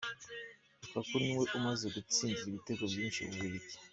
Lukaku niwe umaze gutsindira ibitego byinshi Ububiligi.